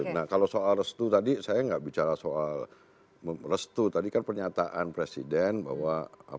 nah kalau soal restu tadi saya nggak bicara soal restu tadi kan pernyataan presiden bahwa